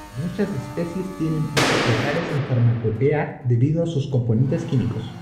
Muchas especies tienen usos locales en farmacopea debido a sus componentes químicos.